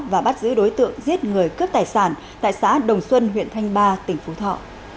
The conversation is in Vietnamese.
và bắt giữ đối tượng giết người cướp tài sản tại xã đồng xuân huyện thanh ba tỉnh phú thọ